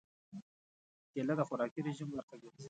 کېله د خوراکي رژیم برخه ګرځي.